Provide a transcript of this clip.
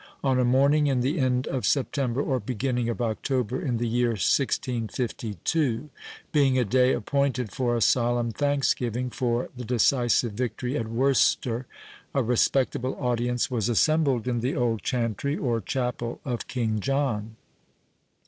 On a morning in the end of September, or beginning of October, in the year 1652, being a day appointed for a solemn thanksgiving for the decisive victory at Worcester, a respectable audience was assembled in the old chantry, or chapel of King John.